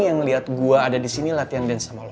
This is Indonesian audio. yang ngeliat gua ada disini latihan dan sama lo